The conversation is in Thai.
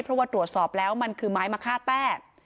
เพราะว่าตรวจสอบแล้วมันคือไม้มะค่าแต้